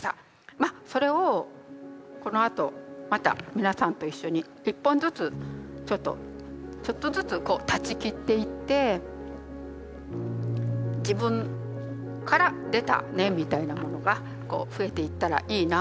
まあそれをこのあとまた皆さんと一緒に一本ずつちょっとちょっとずつ断ち切っていって自分から出た根みたいなものが増えていったらいいなという。